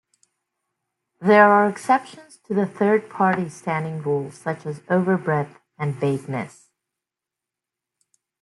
There are exceptions to the Third Party Standing rule, such as overbreadth and vagueness.